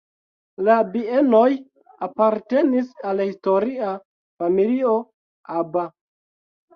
La bienoj apartenis al historia familio "Aba".